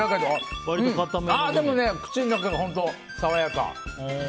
でも、口の中が本当に爽やか！